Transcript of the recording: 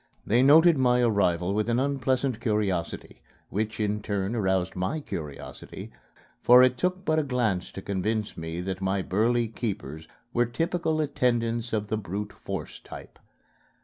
They noted my arrival with an unpleasant curiosity, which in turn aroused my curiosity, for it took but a glance to convince me that my burly keepers were typical attendants of the brute force type.